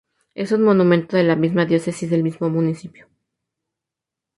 Es un monumento de la misma diócesis del mismo municipio.